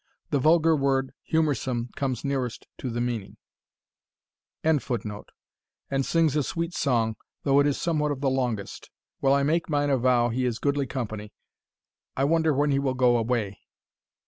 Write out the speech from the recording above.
The vulgar word humorsome comes nearest to the meaning.] And sings a sweet song, though it is somewhat of the longest. Well, I make mine avow he is goodly company I wonder when he will go away."